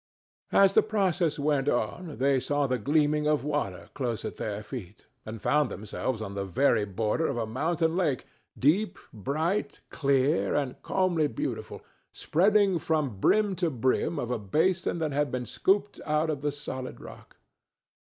As the process went on they saw the gleaming of water close at their feet, and found themselves on the very border of a mountain lake, deep, bright, clear and calmly beautiful, spreading from brim to brim of a basin that had been scooped out of the solid rock.